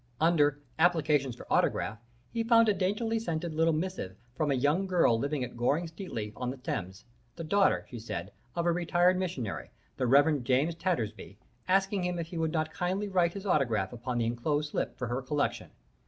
Under 'Applications for Autograph' he found a daintily scented little missive from a young girl living at Goring Streatley on the Thames, the daughter, she said, of a retired missionary the Reverend James Tattersby asking him if he would not kindly write his autograph upon the enclosed slip for her collection.